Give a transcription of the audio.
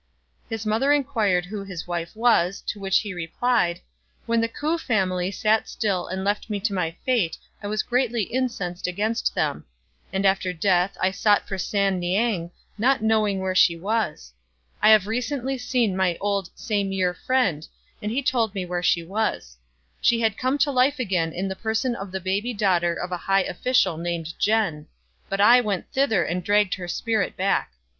His mother inquired who his wife was, to which he re plied, "When the K'ou family sat still and left me to my fate I was greatly incensed against them; and after death I sought for San niang, not knowing where she was. I have recently seen my old same year friend, and he told me where she was. She had come to life again in the person of the baby daughter of a high official named Jen ; but I went thither and dragged her spirit back.